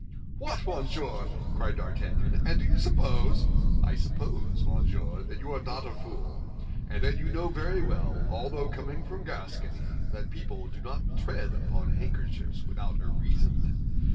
"What, monsieur!" cried D'Artagnan, "and do you suppose—" "I suppose, monsieur, that you are not a fool, and that you knew very well, although coming from Gascony, that people do not tread upon handkerchiefs without a reason.